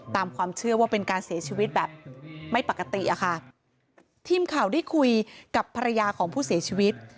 ตามความเชื่อว่าเป็นการเสียชีวิตแบบไม่ปกติอะค่ะทีมข่าวได้คุยกับภรรยาของผู้เสียชีวิต